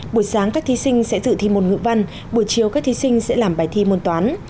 buổi sáng các thí sinh sẽ dự thi môn ngữ văn buổi chiều các thí sinh sẽ làm bài thi môn toán